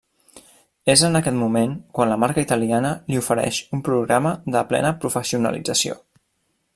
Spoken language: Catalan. És en aquest moment quan la marca italiana li ofereix un programa de plena professionalització.